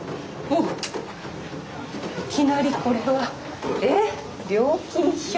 いきなりこれは。えっ料金表？